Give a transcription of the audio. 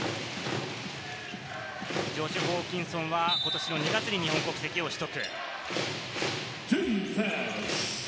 ジョシュ・ホーキンソンはことしの２月に日本国籍を取得。